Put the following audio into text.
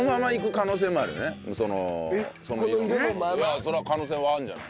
可能性はあるんじゃない？